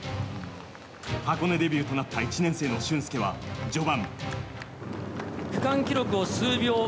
箱根デビューとなった１年生の駿恭は、序盤。